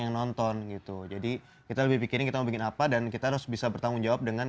yang nonton gitu jadi kita lebih pikirin kita bikin apa dan kita harus bisa bertanggung jawab dengan